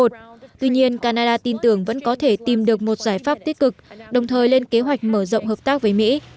tuy nhiên canada tin tưởng vẫn có thể tìm được một giải pháp tích cực đồng thời lên kế hoạch mở rộng hợp tác với mỹ